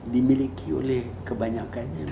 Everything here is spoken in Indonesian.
dimiliki oleh kebanyakannya